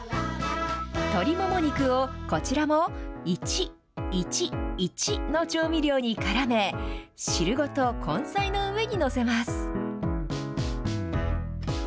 鶏もも肉をこちらも１・１・１の調味料にからめ、汁ごと根菜の上に載せます。